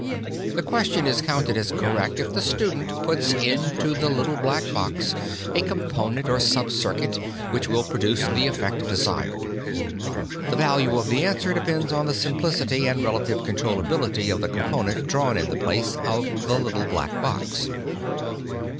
The question is counted as correct if the student puts into the Little Black Box a component or subcircuit which will produce the effect desired. The value of the answer depends on the simplicity and relative controllability of the component drawn in the place of the Little Black Box.